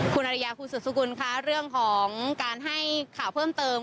คุณอริยาคุณสุดสกุลคะเรื่องของการให้ข่าวเพิ่มเติม